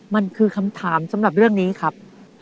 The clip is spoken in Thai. มันคือคำถามสำหรับเรื่องนี้ครับ